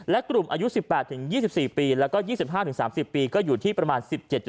และกลุ่มอายุ๑๘๒๔ปีแล้วก็๒๕๓๐ปีก็อยู่ที่ประมาณ๑๗